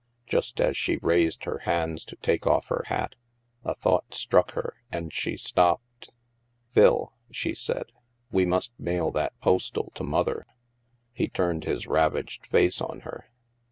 Just as she raised her hands to take off her hat, a thought struck her, and she stopped. " Phil," she said, " we must mail that postal to Mother !" He turned his ravaged face on her.